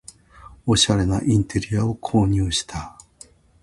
おしゃれなインテリアを購入した